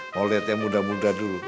mau liat ya muda muda dulu